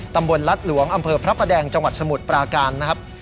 ตำบลรัฐหลวงอำเภอพระประแดงจังหวัดสมุทรปราการนะครับ